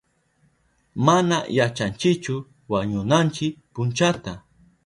Mana yachanchichu wañunanchi punchata.